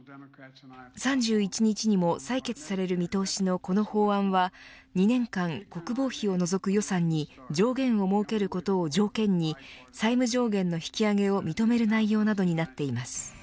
３１日にも採決される見通しのこの法案は２年間、国防費を除く予算に上限を設けることを条件に債務上限の引き上げを認める内容などになっています。